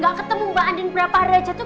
gak ketemu mbak andin berapa reja tuh